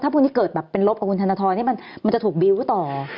ถ้าพวกนี้เกิดเป็นลบกับคุณธนทรมันจะถูกบิ้วต่อ